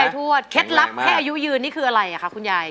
ทวดเคล็ดลับแค่อายุยืนนี่คืออะไรอ่ะคะคุณยาย